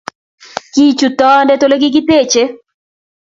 Kichuut toondet olegitigetechee